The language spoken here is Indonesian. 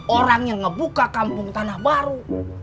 orang yang ngebuka kampung tanah baru